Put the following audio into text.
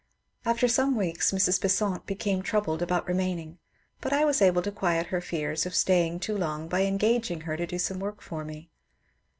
After some weeks Mrs. Besant became troubled about remaining, but I was able to quiet her fears of staying too long by engaging her to do some work for me.